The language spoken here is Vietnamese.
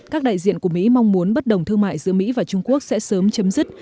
các đại diện của mỹ mong muốn bất đồng thương mại giữa mỹ và trung quốc sẽ sớm chấm dứt